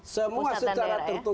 semua secara tertukuh